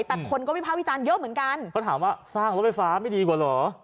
แต่คนก็วิภาควิจารณ์เยอะเหมือนกันเขาถามว่าสร้างรถไฟฟ้าไม่ดีกว่าเหรอ